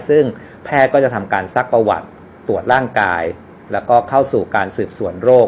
ซึ่งแพทย์ก็จะทำการซักประวัติตรวจร่างกายแล้วก็เข้าสู่การสืบสวนโรค